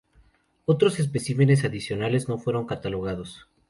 Otros especímenes adicionales no fueron catalogados.